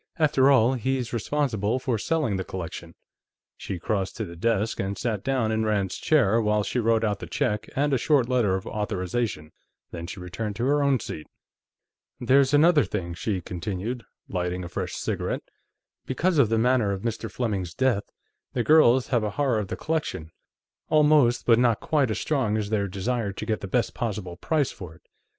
"After all, he's responsible for selling the collection." She crossed to the desk and sat down in Rand's chair while she wrote out the check and a short letter of authorization, then she returned to her own seat. "There's another thing," she continued, lighting a fresh cigarette. "Because of the manner of Mr. Fleming's death, the girls have a horror of the collection almost but not quite as strong as their desire to get the best possible price for it."